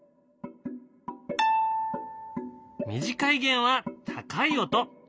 短い弦は高い音。